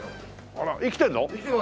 あっ生きてんの！？